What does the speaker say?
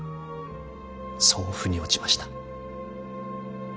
そう腑に落ちました。